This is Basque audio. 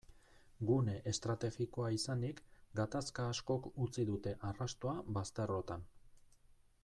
Gune estrategikoa izanik, gatazka askok utzi dute arrastoa bazterrotan.